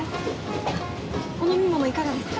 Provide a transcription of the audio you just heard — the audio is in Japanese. あっお飲み物いかがですか？